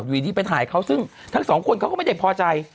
อยู่ดีไปถ่ายเขาซึ่งทั้งสองคนเขาก็ไม่ได้พอใจ